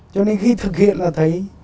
cho nên khi thực hiện là thấy